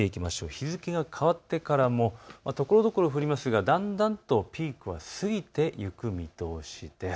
日付が変わってからもところどころ降りますがだんだんとピークは過ぎていく見通しです。